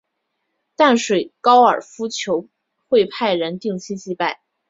淡水高尔夫球场会派人定期祭拜。